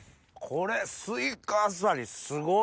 これ垂下あさりすごい。